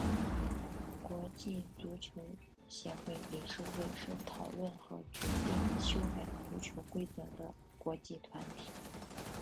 国际足球协会理事会是讨论和决定修改足球规则的国际团体。